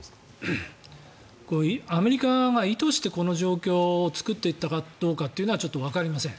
アメリカが意図としてこの状況を作っていったかどうかというのはちょっとわかりません。